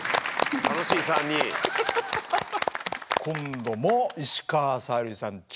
今度も石川さゆりさん